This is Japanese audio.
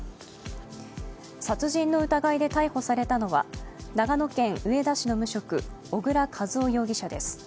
殺人の疑いで逮捕されたのは長野県上田市の無職小倉一夫容疑者です。